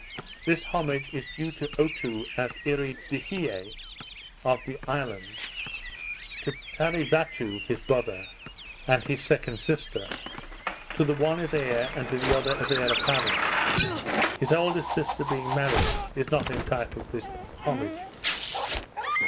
This homage is due to Otoo as Earee de hie of the isle, to Tarevatou, his brother, and his second sister; to the one as heir, and to the other as heir apparent; his eldest sister being married, is not entitled to this homage.